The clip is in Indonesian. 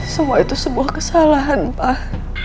semua itu sebuah kesalahan pak